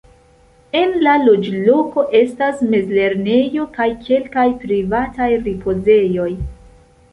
En la loĝloko estas mez-lernejo kaj kelkaj privataj ripozejoj.